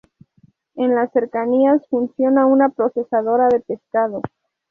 En las cercanías funciona una procesadora de pescado.